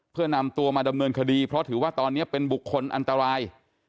เพื่อนำตัวมาดำเนินคดีเพราะถือว่าตอนนี้เป็นบุคคลอันตราย